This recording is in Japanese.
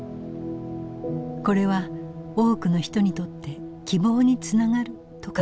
これは多くの人にとって希望につながると確信しました。